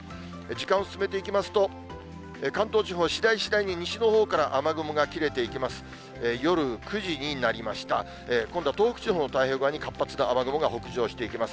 時間を進めていきますと、関東地方、しだいしだいに西のほうから雨雲が切れていきます。